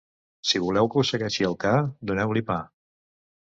Si voleu que us segueixi el ca, doneu-li pa.